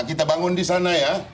kita bangun di sana ya